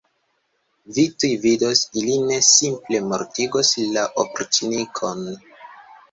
Vi tuj vidos, ili ne simple mortigos la opriĉnikon.